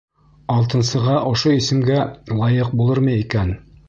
Алтынсыға ошо исемгә лайыҡ булырмы икән?